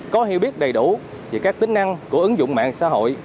có hiểu biết đầy đủ về các tính năng của ứng dụng mạng xã hội